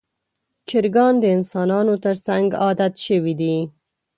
چرګان د انسانانو تر څنګ عادت شوي دي.